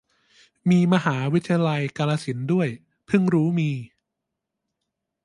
มีมหาวิทยาลัยกาฬสินธ์ด้วย เพิ่งรู้มี